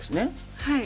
はい。